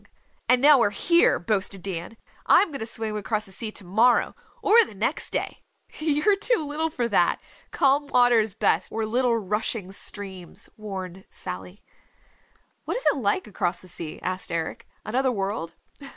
"And now we're here," boasted Dan, "I'm going to swim across the sea to morrow, or the next day!" "You're too little for that. Calm water is best, or little rushing streams," warned Sally. "What is it like across the sea?" asked Eric. "Another world?"